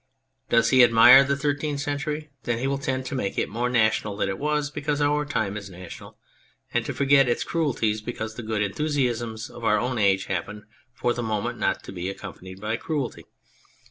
Does he admire the Thirteenth Century ? Then he will tend to make it more national than it was because our time is national, and to forget its cruelties because the good enthusiasms of our own age happen for the moment not to be accompanied by cruelty.